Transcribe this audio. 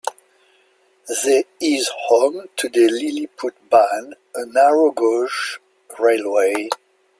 The is home to the Liliputbahn, a narrow gauge railway.